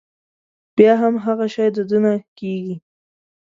بيا هم هغه شی د ده نه کېږي.